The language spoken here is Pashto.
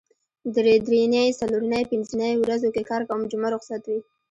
درېنۍ څلورنۍ پینځنۍ ورځو کې کار کوم جمعه روخصت وي